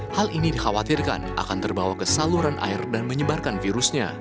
hal ini dikhawatirkan akan terbawa ke saluran air dan menyebarkan virusnya